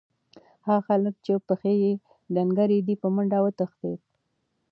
هغه هلک چې پښې یې ډنګرې دي، په منډه وتښتېد.